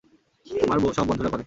আমার সব বন্ধুরা করে।